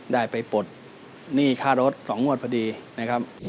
ได้ไปปลดหนี้ค่ารถ๒งวดพอดีนะครับ